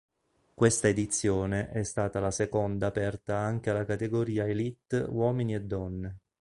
Questa edizione è stata la seconda aperta anche alla categoria Élite uomini e donne.